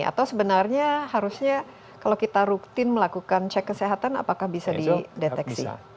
atau sebenarnya harusnya kalau kita rutin melakukan cek kesehatan apakah bisa dideteksi